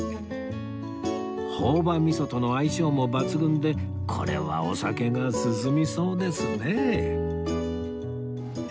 朴葉味噌との相性も抜群でこれはお酒が進みそうですね